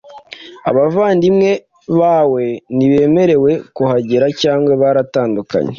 Abavandimwe bawe ntibemerewe kuhagera cyangwa baratandukanye